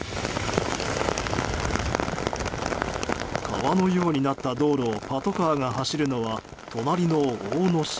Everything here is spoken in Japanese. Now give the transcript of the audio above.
川のようになった道路をパトカーが走るのは隣の大野市。